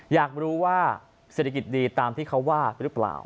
อยากรู้ว่าเศรษฐกิจดีตามที่เขาว่าหรือเปล่า